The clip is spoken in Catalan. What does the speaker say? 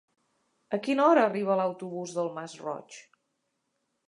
A quina hora arriba l'autobús del Masroig?